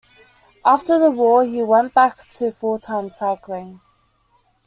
After the war, he went back to full-time cycling.